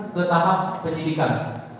ke tahap pendidikan